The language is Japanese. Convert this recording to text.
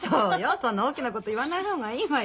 そんな大きなこと言わない方がいいわよ。